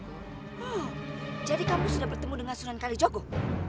oh jadi kamu sudah bertemu dengan sunan kalijoko